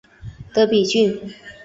德比郡。